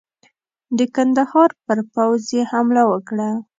د کندهار پر پوځ یې حمله وکړه.